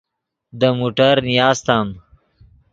دے موٹر نیاستم